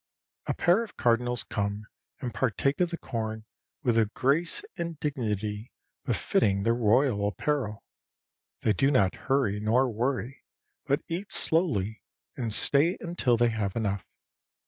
A pair of cardinals come and partake of the corn with a grace and dignity befitting their royal apparel. They do not hurry nor worry, but eat slowly and stay until they have enough.